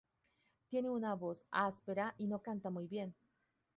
Tiene una voz áspera y no canta muy bien.